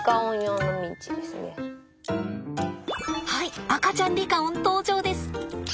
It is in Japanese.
はい赤ちゃんリカオン登場です。